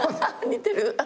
似てる。